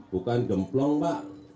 bukan gemplong pak